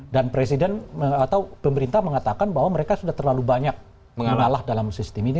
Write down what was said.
dan presiden atau pemerintah mengatakan bahwa mereka sudah terlalu banyak mengalah dalam sistem ini